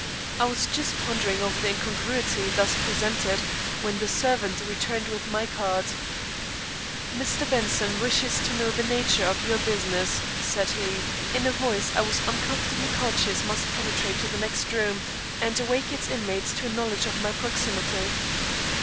I was just pondering over the incongruity thus presented, when the servant returned with my card. "Mr. Benson wishes to know the nature of your business," said he, in a voice I was uncomfortably conscious must penetrate to the next room and awake its inmates to a knowledge of my proximity.